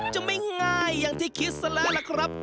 จะไม่ง่ายอย่างที่คิดซะแล้วล่ะครับ